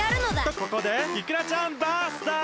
とここでイクラちゃんバースデー！